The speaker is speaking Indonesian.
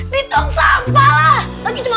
ditong sampah lah